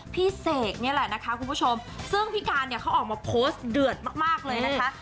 เสกนี่แหละนะคะคุณผู้ชมซึ่งพี่การเนี่ยเขาออกมาโพสต์เดือดมากเลยนะคะ